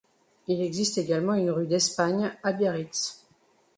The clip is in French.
Il existe également une rue d'Espagne à Biarritz.